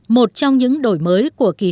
một trong những đổi mới của kỳ hội